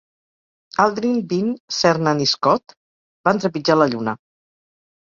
Aldrin, Bean, Cernan i Scott van trepitjar la Lluna.